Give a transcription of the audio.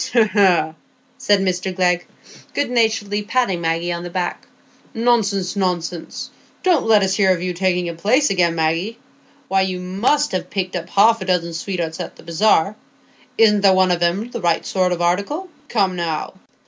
"Hegh, hegh!" said Mr Glegg, good naturedly patting Maggie on the back, "nonsense, nonsense! Don't let us hear of you taking a place again, Maggie. Why, you must ha' picked up half a dozen sweethearts at the bazaar; isn't there one of 'em the right sort of article? Come, now?"